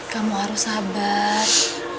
kamu harus sabar